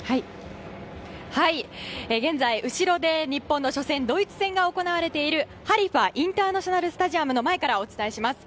現在、後ろで日本の初戦ドイツ戦が行われているハリファ・インターナショナルスタジアムの前からお伝えします。